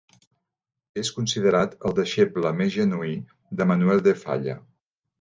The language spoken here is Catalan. És considerat el deixeble més genuí de Manuel de Falla.